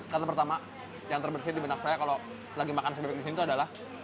kata pertama yang terbersih di benak saya kalau lagi makan si bebek disini adalah